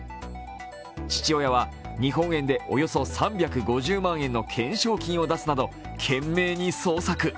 父親は日本円でおよそ３５０万円の懸賞金を出すなど懸命に捜索。